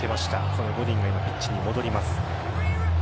そのゴディンが今、ピッチに戻ります。